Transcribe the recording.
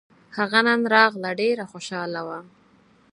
هغه نن راغله ډېره خوشحاله وه